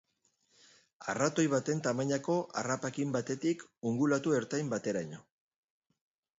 Arratoi baten tamainako harrapakin batetik ungulatu ertain bateraino.